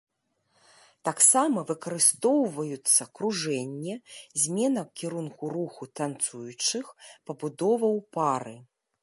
Таксама выкарыстоўваюцца кружэнне, змена кірунку руху танцуючых, пабудова ў пары.